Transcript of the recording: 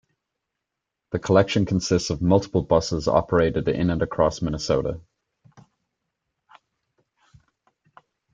The collection consists of multiple buses operated in and across Minnesota.